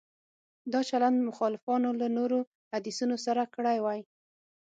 دا چلند مخالفانو له نورو حدیثونو سره کړی وای.